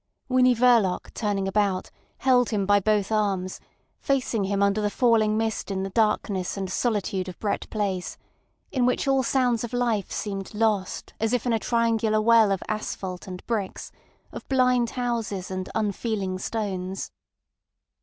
Winnie Verloc turning about held him by both arms, facing him under the falling mist in the darkness and solitude of Brett Place, in which all sounds of life seemed lost as if in a triangular well of asphalt and bricks, of blind houses and unfeeling stones.